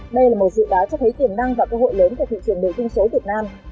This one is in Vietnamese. đây là một dự báo cho thấy tiềm năng và cơ hội lớn của thị trường nội dung số việt nam